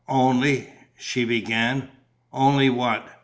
"Only ..." she began. "Only what?"